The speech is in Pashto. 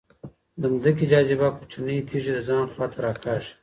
د ځمکې جاذبه کوچنۍ تیږې د ځان خواته راکاږي.